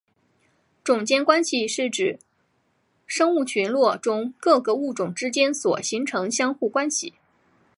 种间关系是指生物群落中各个物种之间所形成相互关系。